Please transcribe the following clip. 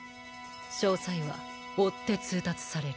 詳細は追って通達される。